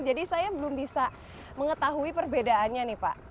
jadi saya belum bisa mengetahui perbedaannya nih pak